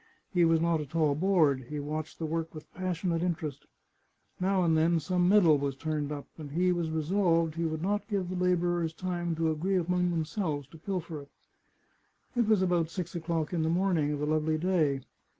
He was not at all bored. He watched the work with passionate interest. Now and then some medal was turned up, and he was re solved he would not give the labourers time to agree among themselves to pilfer it. It was about six o'clock in the morning of a lovely day.